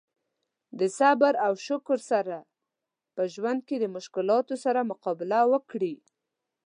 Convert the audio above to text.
د صبر او شکر سره په ژوند کې د مشکلاتو سره مقابله وکړي.